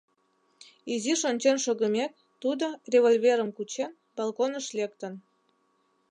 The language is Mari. Изиш ончен шогымек, тудо, револьверым кучен, балконыш лектын.